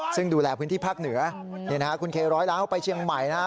ซึ่งดูแลพื้นที่ภาคเหนือนี่นะฮะคุณเคร้อยล้านเขาไปเชียงใหม่นะฮะ